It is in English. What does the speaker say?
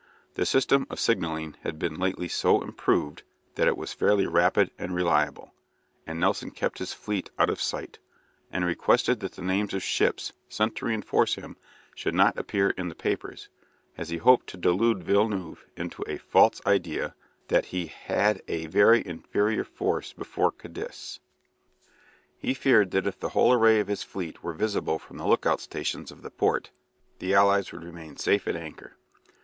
The system of signalling had been lately so improved that it was fairly rapid and reliable, and Nelson kept his fleet out of sight, and requested that the names of ships sent to reinforce him should not appear in the papers, as he hoped to delude Villeneuve into a false idea that he had a very inferior force before Cadiz. He feared that if the whole array of his fleet were visible from the look out stations of the port the allies would remain safe at anchor.